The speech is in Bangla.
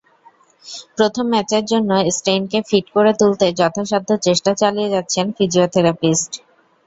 প্রথম ম্যাচের জন্য স্টেইনকে ফিট করে তুলতে যথাসাধ্য চেষ্টা চালিয়ে যাচ্ছেন ফিজিওথেরাপিস্ট।